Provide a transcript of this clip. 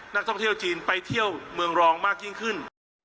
นักท่องเที่ยวจีนไปเที่ยวเมืองรองมากยิ่งขึ้น